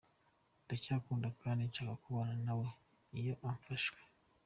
Ndacyagukunda kandi nshaka kubana nawe “iyo afashwe”.